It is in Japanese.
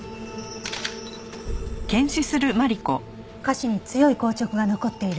下肢に強い硬直が残っている。